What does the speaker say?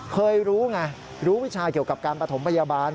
เคยรู้ไงรู้วิชาเกี่ยวกับการประถมพยาบาล